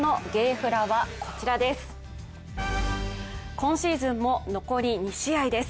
今シーズンも残り２試合です。